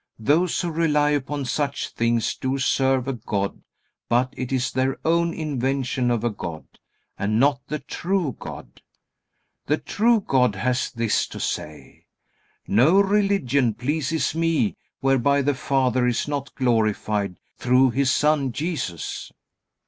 Those who rely upon such things do serve a god, but it is their own invention of a god, and not the true God. The true God has this to say: No religion pleases Me whereby the Father is not glorified through His Son Jesus.